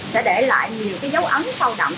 sẽ để lại nhiều dấu ấm sâu đậm